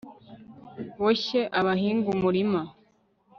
boshye abahinga umurima